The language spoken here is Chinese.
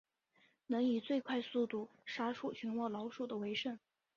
能以最快速度杀除全窝老鼠的为胜。